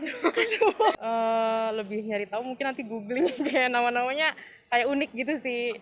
lebih nyari tahu mungkin nanti googling kayak nama namanya kayak unik gitu sih